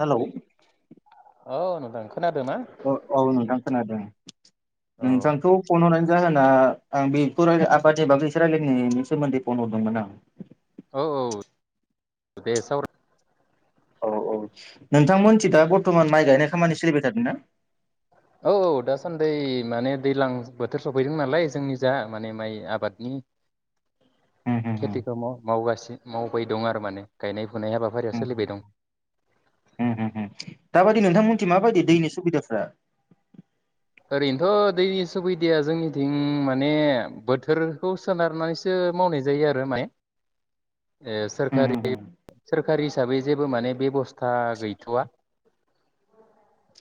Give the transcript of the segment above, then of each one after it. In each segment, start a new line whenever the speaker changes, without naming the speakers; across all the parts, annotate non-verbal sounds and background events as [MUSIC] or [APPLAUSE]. Hello
औ नोंथां खोनादों ना
औ खोनादों नोंथां खोनादों
औ
नोंथांखौ फन हरनायनि जाहोना आं बेखौ आबाद ए बाैस राय्लायनायनि सोमोन्दै फन हरदोंमोन आं
औ औ दे सावरा
औ औ नोंथांमोनथि दा बर्थ'मान माइ गायनाय खामानि सोलिबाय थादोंना?
औ दासान्दि माने दैज्लां बोथोर सफैदों नालाय जोंनि जा माने माइ आबादनि
उम उम
खेथिखौ माव मावगासिनो मावबाय दं आरो माने गायनाय फुनाय हाबा
दाबायदि नोंथांमोनथि माबायदि दैनि सुबद
ओरैनोथ' दैनि सुबिदाया जोंनिथिं माने बोथोरखौ सोनारनानैसो मावनाय जायो आरो माइ
उम उम
सोरखारि
उम
सोरखारि हिसाबै जेबो माने बेबस्था गैथ'वा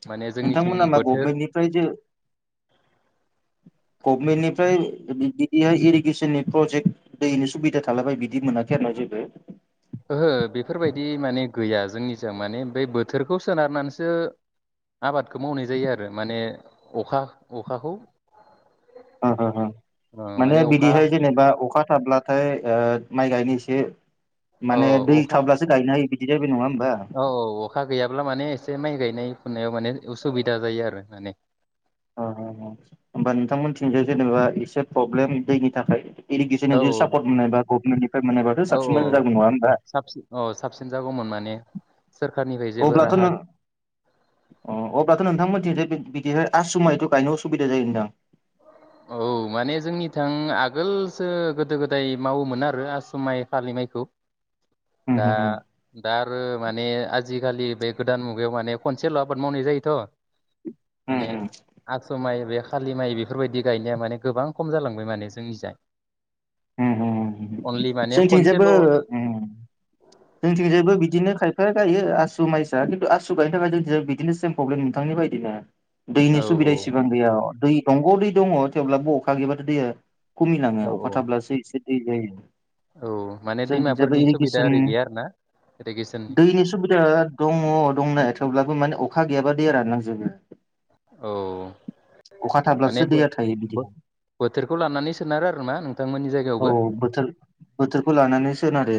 माने जोंनिथिं
नोंथांमोना मा
बोथोर
गभमेन्टनिफ्राय जे गभमेन्टनिफ्राय बिदिहाय इरिगेसननि प्रजेक्ट दैनि सुबिदा थालाबाय बिदि मोनाखै आरोा जेबो
ओहो बेफोरबायदि माने गैया जोंनिजों माने बे बोथोरखौ सोनारनानैसो आबादखौ मावनाय जायो आरो माने अखा अखाखौ ओ
माने
अखा
बिदिहाय जेनेबा अखा थाब्लाथाय माइ गायनो एसे
औ
माने दै
अखा
थाब्लासो गायनो हायो बिदि जाहैबाय नङा होमबा
साननाय फुनायाव माने उसुबिदा जायो आरो माने
अ होमबा नोंथांमोनथिंजों जेनेबा एसे प्रब्लेम दैनि थाखाय
औ
इरगेसन जदि सापर्ट मोना [INAUDIBLE]
औ औ साबसिन औ साबसिन जागौमोन माने सोरखारनिफ्राय जेबो
अब्लाथ'
राहा
नों अब्लाथ' नोंथांमोनथि बेहाय आसु माइथ' गायनो असुबिदा जायोदां
औ माने जोंनि थां आगोलसो गोदो गोदाय मावोमोन आरो आस माइ फालिइखौ दा दा आरो माने आजिखालि बे गोदान मुगायाव माने खनसेल' आबाद मावनाय जायोथ' माने आसु माइ बे थालिमाइ बेफोरबायदि गायनाया माने गोबां खम जालांबाय माने जोंनिजाय
जोंथिंजोबो
खनसेल' औ
जोंथिंजोबो बिदिनो खाय बे गायो आसु माइसा खिन्थु आसु गायनो थाखाय जों बिदिनो सेम प्रब्लेम नोंथांनि बायदिनो
औ
दैनि सुबिदा इसिबां गैया दै दंग' दै दङ थेवब्लाबो अखा गैयबाथ' दैया खमिलाङो
औ
अखा
औ
थाब्लासो दै जायो।
औ माने
जोंनिथिजा बै
दैमाफोरनि सुबिदा
इरिगेसन
ओरै गैया आरो ना इरिगेसननि
दैनि सुबिदा दङ दंनाया थेवब्लाबो माने अखा गैयाबा दैया रानलांजोबो।
औ
अखा
माने
थाब्लासो दैया थायो बिदि
बो-बो-बोथोरखौ लानानै सोनारो आरो ना नोंथां।
औ बोथोर बोथोरखौ लानानै सोनारो।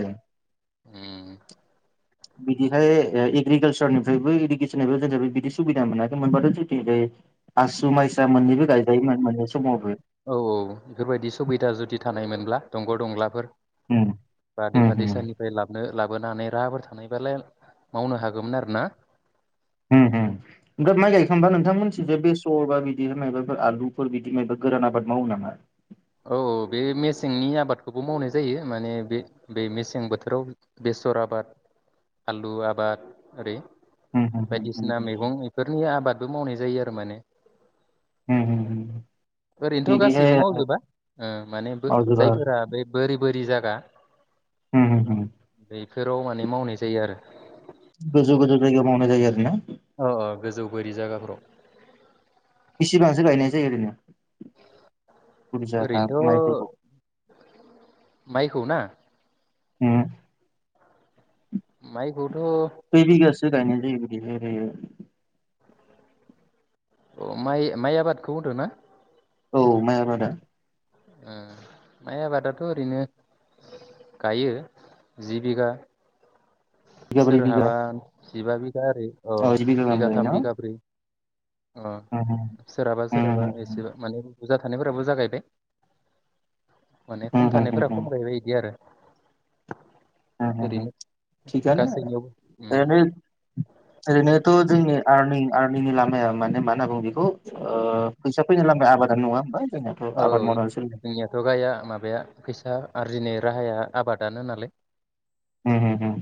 उम
बिदिहाय एग्रिकालसारनिफ्रायबो इरिगेसनाबो जोंङो बिदि सुबिदा मोनाखै मोनबाथ' जोंनिथिजै आसु माइसा मोननैबो गायजायोमोन मोननै समावबो
औ औ बेफोरबायदि सुबिदा जुदि थानाय मोनब्ला दंग' दंलाफोर।
उम
बा
उम
दैमा
उम
दैसानिफ्राय लाबनो लाबोनानै राहाफोर थानायबालाय मावनो हागोमोन आरो ना।
उम उम ओमफ्राय माइ गायखांबा नोंथांमोनथिंजाय बे सरबा बिदि मायबाफोर आलुफोर बिदि मायबा गोरान आबाद मावो नामा।
औ औ बे मेसेंनि आबादखौबो मावनाय जायो माने बे बे मेसें बोथोराव बेसर आबाद आलु आबाद ओरै।
उम उम उम।
नि आबादबो मावनाय जायो आरो माने।
उम उम
ओरैनोथ'
बिदिहाय
गासैबो मावजोबा। उम माने बो
मावजोबा आरो।
जायफोरा बे बोरि बो रि जागा
उम उम उम
बे फोराव माने मावनाय जायो आरो।
गोजौ गोजौ जायगायाव मावनाय जायो आरो ना।
अ अ गोजौ बोरि जायगाफोराव।
बिसिबांसो गायनाय जायो ओरैनो। बुरजा हा
ओरैनोथ'
माइफोरखौ
माइखौ ना।
उम।
माइखौ
खैबिगासो गायनाय नै बिदि राइलायो।
अ माइ माइ आबादखौ होनदो ना।
औ माइ आबादा।
उम माइ आबादाथ' ओरैनो गायो जि बिगा।
बिगाब्रै बिगा
सोरहाबा सिबा बि गा ओरै ओ
औ जिबिका गाहाम जायो
बिगाथाम बिगाब्रै। अ सोरहाबा सोरहाबा एसेबो माने बुजा थानायफोरा बुजा गायबाय माने खम थानायफोरा खमगायबाय इदि आरो
हम हम हम
ओरैनो
थिखानो
गासैनियावबो उम
ओरैनो ओरैनोथ' जोंनि आरनिंनिं मे माना बुं खौ अ फैसा फैनो आबादारि नङा होमबा जोंनाथ'
औ
आबाद मावनानै
जोंनियाथ' गाया माबाया फैसा आरजिनोे राहाया आबादानो नालाय
सोलिदों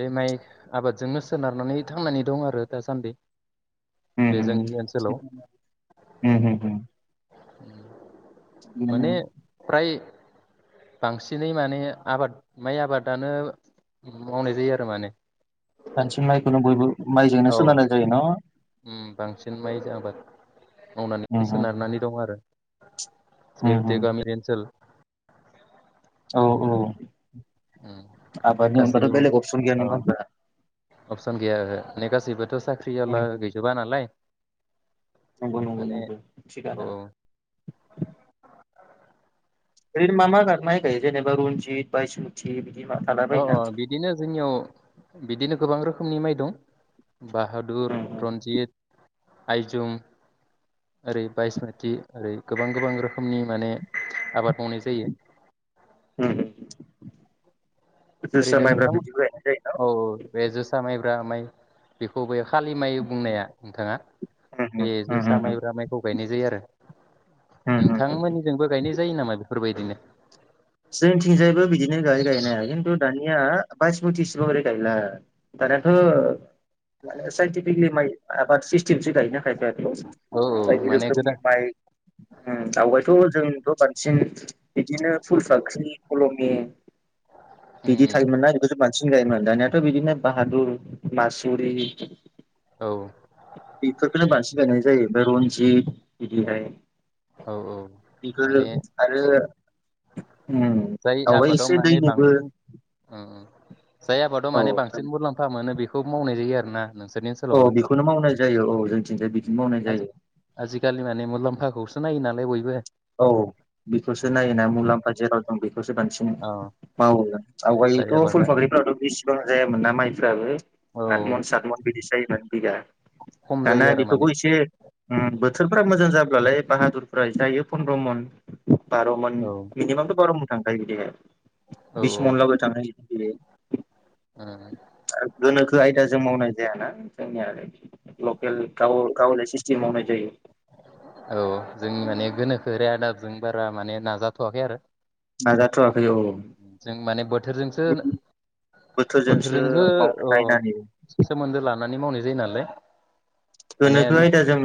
बे माइ आबादजोंनो सोनारनानै थांनानै दं आरो दासान्दि बे
हम
जोंनि ओनसोलाव
हम हम हम
उ माने प्राय बांसिनै माने आबाद माइ आबादानो मावनाय जायो आरो माने
बांसिन माइखौनो बयबो माइजोंनो
औ
सोनारनाय जायो न
उम बांसिन माइ आबाद
उम
मावनानै
उम
सोनारनानै दं आरो
उम
सेउटि
उम।
गामि ओनसोल
औ औ
उम
आबादनि अनगाथ'
गासिबो
बेलेग अपसन गैया
अ
नङा होमबा
अपसन गैया ओहो जेबोथ' साख्रि
उम
आवला
उम।
गैजोबा नालाय
नंगौ नंगौ
माने
नंगौ
औ
थिगानो ओरैनो मा मा माइ गायो जेनबा रन्जिथ बायसमथि
अ अ बिदिनो जोंनियाव बिदिनो गोबां रोखोमनि माइ दं बाहादुर रन्जित आइजुम ओरै बायसमथि ओरै गोबां गोबां रोखो खोमनि माने आबाद मावनाय जायो
हम हम
ओरैनो नोंथांमोन औ बे जोसा माइ ब्रा माइ बेखौबो खालि माइ बुंनाया नोंथाङा बे जोसा माइब्रा माइखौ गायनाय जायो आरो
न?
नोंथांमोननिजोंबो गायनाय जायो नामा बे बेफोरबायदिनो
जोंथिंजायबो बिदिनो गायो गायनाया खिन्थु दानिया बायस मुथिसिब ओरै गायला दानियाथ' माने साइन्टिफिकेलि माइ आबाद सि थिनसो गायोना खायफ'
औ औ
बायदि
माने गोदान
रोखोमनि माइ दावबायथ' जोंथ' बांसिन बिदिनो फुलफाख्रि खल'नि बिदि
उम
थायोमोनना [UNINTELLIGIBLE] बांसिन गायोम दानियाथ' बिदिनो बाहादुर मासुरि
उम औ
बेफोरखौनो बांसिन गायनाय जायोफ्राय रनजित बिदिहाय
औ औ
बिखौ
माने
आरो उम
जाय
आवगाय
आबादाव
एसे
माने
दैनिबो
बांसिन जाय आबादाव
औ
माने बांसिन मुलाम्फा मोनो बेखौ मावनाय जायो आरो ना नों
औ बेखौनो मावनाय जायो औ जोंथिंजाय
उम
बिदिनो मावनाय जायो
हाखौ नायो नालाय बयबो
औ बेखौसो
उम
नायोना मुलाम्फा जेराव दं बेखौसो बानसिन
औ
मावो
जाय
आवगायथ' फुल
आबादा
फाख्रिफोरावथ' बिसिबां जायामोन ना माइफ्राबो
औ
आथ मन सात मन बिदिसो जायोमोन आद बिगा
खम
दाना
जायो आरो माने
बेखौबो एसे बोथोरफ्रा मोजां जाब्लालाय बाहादुरफोरा जायो फन्द्रमन बार'मन
औ
मिनिमाम बार'मन थांखायो बिदिया
औ
बिस मन लागै थाङो इ बिरे
उम
आयदाजों मावनाय जायाना जोंनि आरो लकेल गाव गावलिया सिस्टेम मावनाय जायो
औ जों माने गोनोखो रे आदाबजों बारा माने नाजाथ'वाखै आरो
नाजाथ'वाखै औ
जों माने बोथोरजोंसो बोथोरजोंसो
मावनो नायनानै
सोमोन्दो लानानै माने मावनाय जायो नालाय माने
गोनोखो आयदा जों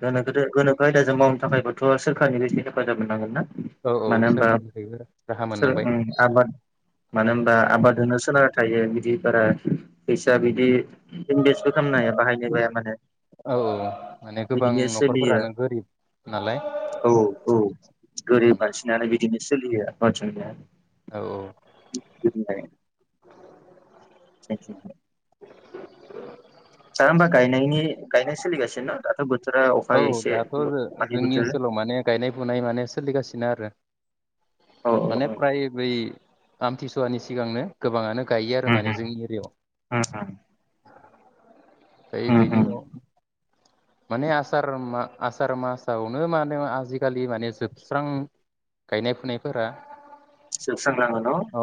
गोनोक गोदो गोनोखो आयदाजों मावनो थाखायबोथ' सोरखारनि बे इसे हेफाजाब मोननांगोन ना?
औ औ
मानो होनबाब
सोरखारनिफ्रायबो राहा
सोर
मोननांबाय
ओम आबाद मानो होनबा आबाद होनो सोनार थायो बिदि बारा फैसा बिदि इनभेस्टबो खामनो हाया बाहाय [UNINTELLIGIBLE]
औ औ माने गोबां
बिदिनो सोलियो
न'खरफोरानो गोरिब नालाय
औ औ गोरिब मानसिनालाय बिदि
औ
[UNINTELLIGIBLE] [UNINTELLIGIBLE] [UNINTELLIGIBLE] दा ओमबा गायनायनि गायनाय सोलिगासि दाथ' बोथ
औ दाथ' जो जोंनि ओनसोलाव माने गायनाय फुनाय माने सोलिगासिनो आरो
औ
माने
औ
फ्राय बै आमथिसुवानि सिगांनो गोबाङानो गायो आरो
उम
माने
उम
जोंनि
उम
एरियायाव यै
उम
बेनि
उम
उनाव माने आसार मा आसार मासावनो माने आजिखालि माने जोबस्रां गायनाय फुनायफोरा
जोबस्रांलाङो न?
अ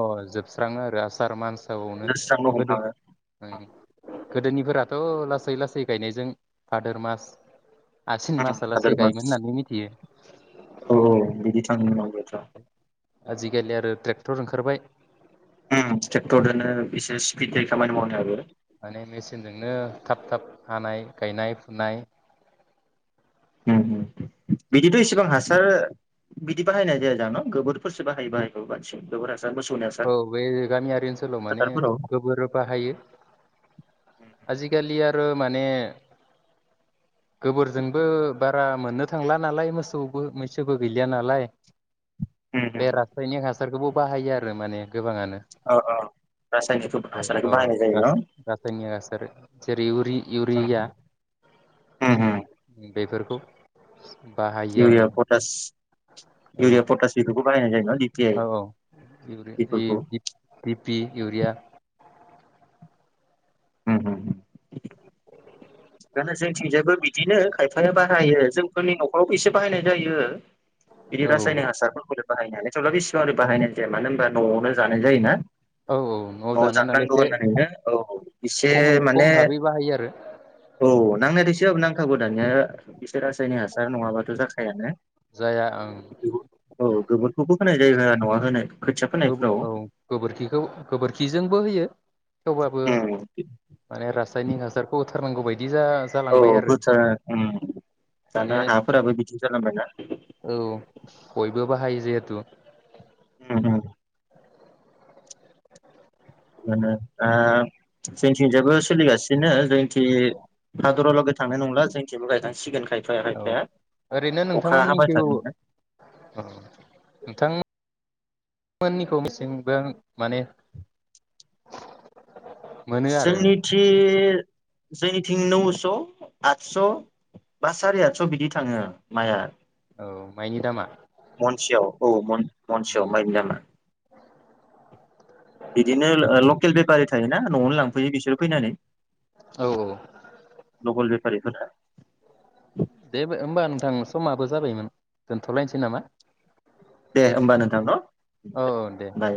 [UNINTELLIGIBLE] आरो आसार मान्स
[UNINTELLIGIBLE]
गोदोनिफोराथ' लासै लासै गायनायजों फादोर मास आसिन
उम
मासालासे
भाद्रमा
गायोमोन होननानै मिथियो।
औ औ बिदि [UNINTELLIGIBLE]
आजिखालि आरो ट्रेक्टर ओंखारबाय।
उम ट्रेक्टरदोनो इसे स्पिड जायो खामानि मावनायाबो।
माने मेचिनजोंनो थाब थाब हानाय गायनाय फुनाय
उम उम बिदिथ' इसेबां हास सार बिदि बाहायनाय जाया जां न' गोबोरफोरसो बाहायो बाहायखौ बानसिं गोबोर हासा
औ बे गामियारि ओनसोलाव माने
फोथारफोराव
गोबोर बाहायो आजिखालि आरो माने गोबोरजोंबो बारा मोननो थांला नालाय मोसौबो मैसोबो गैलिया नालाय।
उम
बे
उम
रासायनिक हास सारखौबो बाहायो आर [UNINTELLIGIBLE] माने गोबाङानो
अ अ रासायनिक हासारखौ
औ
बाहायनाय जायो
रास
न
रासायनिक हासार जेरै इउरि इउरिया
उम उम उम
बेफोरखौ बाहायो आरो
इउरिया पटास
माने
इउरिया पटास बेफोरखौ बाहायनाय जायोमोन।
औ औ इरिया इउ दि पि इउरिया
उम उम। बेंनो जोंथिंजायबो बिदिनो खायफाया बाहायो जोंफोरनि नखरावबो एसे बाहायनाय जायो। बिदि
औ
रासायनिक हासारफोरखौ। बाहायनानै [UNINTELLIGIBLE] बाहायनाय जाया मानो होनबा नआवनो जानाय जायोना
औ औ
नआव
जानाय नालाय
जानांगौ
एसे
होननानै नो औ एसे
खमै खम
माने
भाबै बाहायो आरो
औ नांनाय दायसो नांखागौ दानिया एसोर रासायनिक हासार नङाबाथ जाखायानो।
जाया ओं
औ गोबोरखौबो होनाय जायगा नआव होनाय। खोथिया
गोब
फोनायफ्राव
औ गोबोरखिखौ गोबोरखिजोंबो होयो। थेवबाबो माने रासायनिक हासारखौ थारनांगौबायद
औ [UNINTELLIGIBLE] उम दाना
माने
हाफोराबो बिदि जालांबायना
औ बयबो बाहायो जिहेतु।
हुम हुम। दा जोंथिंजाबो सोलिगासिनो जों थि हादुरावलगे थांनाय नंला। जोंथिंबो गायनाय
औ ओरैनो
अखा हाबाय
नोंथांमोननिखौे औ
थादोंना
नोंथां। मोननिखौ मिसेंबां माने मोनो आरो
जोंनिथि जोंनिथिं नौस आदस बा साराय आदस बिदि थाङो माइआ।
औ माइनि दामा।
महनसेयाव औ महनसेयाव
उम
माइनि दामा। बिदिनो ओ लकेल बेफारि थायोना नआवनो लां फैयो बिसोर फैनानै
औ औ
लकेल बे [UNINTELLIGIBLE]
दे होमबा नोंथां समाबो जाबायमोन दोनथ लायनोसै नामा?
दे होमबा नोंथां न
औ
दे
औ
बाय।